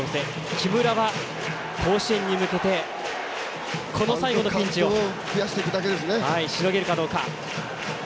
木村は甲子園に向けてこの最後のピンチをしのげるかどうか。